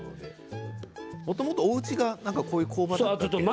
もともとおうちがこういう工場だったんだっけ？